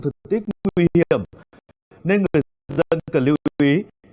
là nơi tiết nghiệm nguy hiểm nên người dân cần lưu ý